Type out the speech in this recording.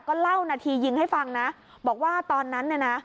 ก็เล่านาทียิงให้ฟังนะบอกว่าตอนนั้นเนี่ยนะ